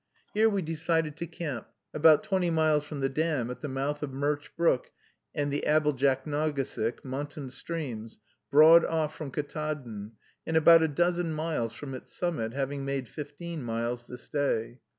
Here we decided to camp, about twenty miles from the Dam, at the mouth of Murch Brook and the Aboljacknagesic, mountain streams, broad off from Ktaadn, and about a dozen miles from its summit, having made fifteen miles this day.